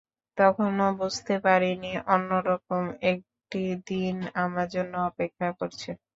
তখনো বুঝতে পারিনি অন্য রকম একটি দিন আমার জন্য অপেক্ষা করছে।